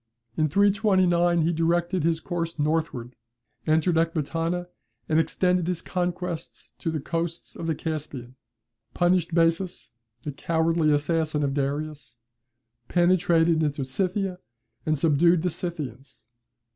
In 329, he directed his course northward, entered Ecbatana, and extended his conquests to the coasts of the Caspian, punished Bessus, the cowardly assassin of Darius, penetrated into Scythia, and subdued the Scythians.